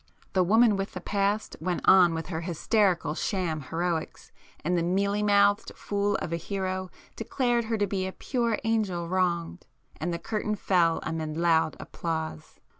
The 'woman with the past' went on with her hysterical sham heroics, and the mealy mouthed fool of a hero declared her to be a 'pure angel wronged,' and the curtain fell amid loud applause.